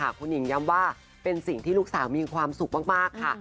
คุณหญิงย้ำว่าเป็นสิ่งที่ลูกสาวมีความสุขมากค่ะ